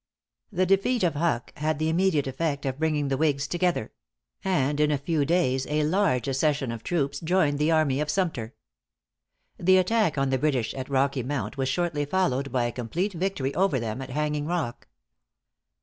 The defeat of Huck had the immediate effect of bringing the whigs together; and in a few days a large accession of troops joined the army of Sumter. The attack on the British at Rocky Mount was shortly followed by a complete victory over them at Hanging Rock.